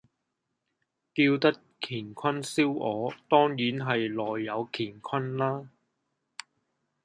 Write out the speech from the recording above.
叫得乾坤燒鵝，當然係內有乾坤啦